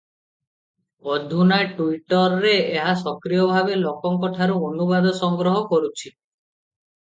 ଅଧୁନା ଟୁଇଟରରରେ ଏହା ସକ୍ରିୟ ଭାବେ ଲୋକଙ୍କଠାରୁ ଅନୁବାଦ ସଂଗ୍ରହ କରୁଛି ।